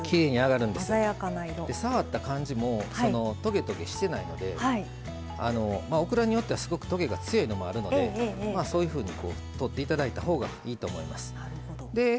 触った感じもトゲトゲしてないのでオクラによっては、すごくトゲが強いのもあるのでそういうふうなものは取っていただいたほうがいいと思います。